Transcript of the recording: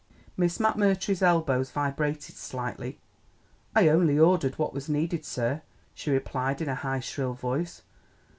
Miss McMurtry's elbows vibrated slightly. "I only ordered what was needed, sir," she replied in a high, shrill voice.